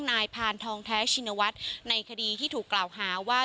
นายพานทองแท้ชินวัฒน์ในคดีที่ถูกกล่าวหาว่า